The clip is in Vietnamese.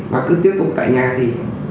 và cứ tiếp tục tại nhà đi